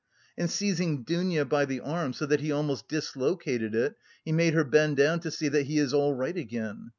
And seizing Dounia by the arm so that he almost dislocated it, he made her bend down to see that "he is all right again."